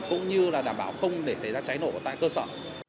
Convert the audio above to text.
cũng như là đảm bảo không để xảy ra cháy nổ tại cơ sở